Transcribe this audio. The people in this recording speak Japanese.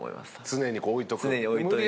常に置いといて。